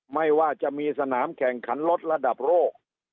ไม่ว่าจะมีสนามแข่งขันลดระดับโลก